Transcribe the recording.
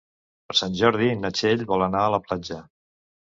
Per Sant Jordi na Txell vol anar a la platja.